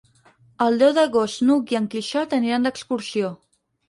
El deu d'agost n'Hug i en Quixot aniran d'excursió.